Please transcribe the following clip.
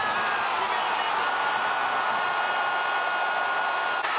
決められた！